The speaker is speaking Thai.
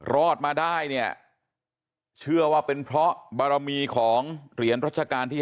รอดมาได้เนี่ยเชื่อว่าเป็นเพราะบารมีของเหรียญรัชกาลที่๕